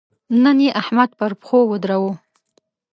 نن يې احمد پر پښو ودراوو.